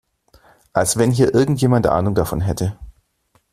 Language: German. Als wenn hier irgendjemand Ahnung davon hätte!